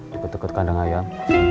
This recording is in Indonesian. deket deket kandang ayam